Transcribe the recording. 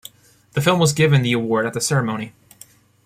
The film was given the award at the ceremony.